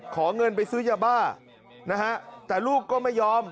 ขอเงินไปซื้อยาบ้านะฮะแต่ลูกก็ไม่ยอม